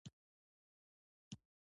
هندوکش د افغان کورنیو د دودونو مهم عنصر دی.